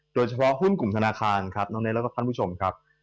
โดยเฉพาะหุ้นกลุ่มธนาคารครับน้องเนธและคุณผู้ชมครับ